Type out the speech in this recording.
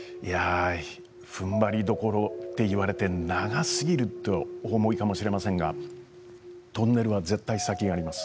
ふんばりどころと言われて長すぎるとお思いかもしれませんがトンネルは絶対に先があります。